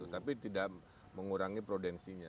tapi tidak mengurangi prudensinya